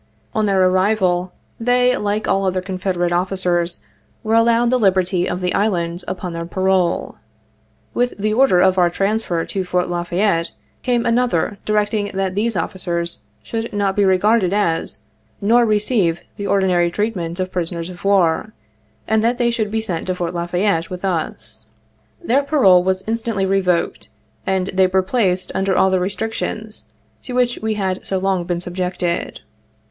On their arrival, they, like all other Confede rate officers, were allowed the liberty of the Island upon their parole. With the order for our transfer to Fort La Fayette came another directing that these officers should not be regarded as, nor receive the ordinary treatment of prisoners of war, and that they should be sent to Fort La Fayette with us. Their parole was instantly revoked and they were placed under all the restrictions to which we had so long been subjected.